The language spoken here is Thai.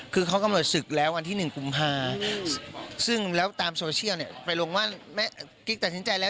คือเขากำหนดศึกแล้ววันที่๑กุมภาพันธุ์